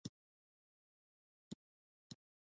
د لغمان په دولت شاه کې د څه شي نښې دي؟